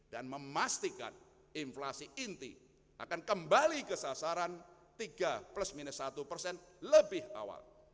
dan memastikan inflasi inti akan kembali ke sasaran tiga plus minus satu persen lebih awal